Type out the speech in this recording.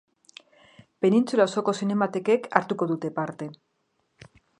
Penintsula osoko zinematekek hartuko dute parte.